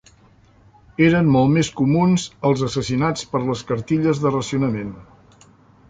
Eren molt més comuns els assassinats per les cartilles de racionament.